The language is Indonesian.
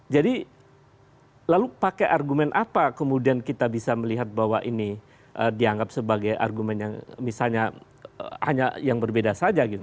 jadi lalu pakai argumen apa kemudian kita bisa melihat bahwa ini dianggap sebagai argumen yang misalnya hanya yang berbeda saja gitu